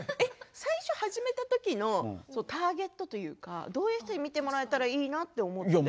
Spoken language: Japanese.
最初始めたときのターゲットというかどういう人に見てもらえたらいいなと思って？